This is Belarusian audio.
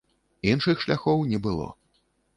Іншых шляхоў не было.